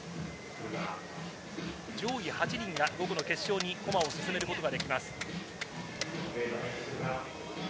上位８人が午後の決勝に駒を進めることができます。